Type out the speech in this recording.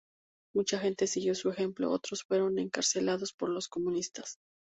Mucha gente siguió su ejemplo; otros fueron encarcelados por los comunistas.